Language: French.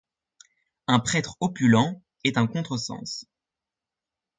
Un prêtre opulent est un contre-sens.